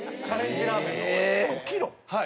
はい。